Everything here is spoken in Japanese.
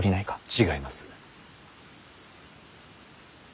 違います。